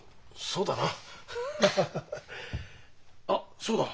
あっそうだ。